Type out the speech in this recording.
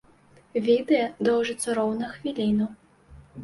Відэа доўжыцца роўна хвіліну.